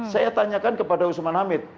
saya tanyakan kepada usman hamid